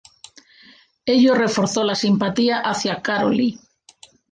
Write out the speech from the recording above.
Ello reforzó la simpatía hacia Károlyi.